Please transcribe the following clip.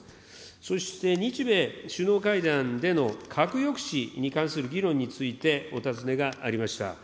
そして日米首脳会談での核抑止に関する議論について、お尋ねがありました。